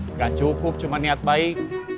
nggak cukup cuma niat baik